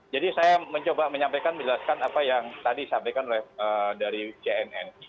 jadi saya mencoba menyampaikan menjelaskan apa yang tadi disampaikan oleh dari cnn